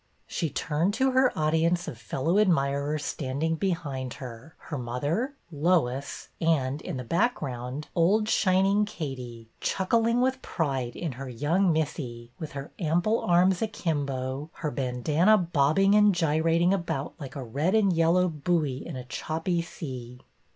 " She turned to her audience of fellow admirers standing behind her, — her mother, Lois, and, in the background, old shining Katie, chuckling with pride in her young " missy," with her ample arms akimbo, her bandanna bobbing and gyrating about like a red and yellow buoy in a choppy sea.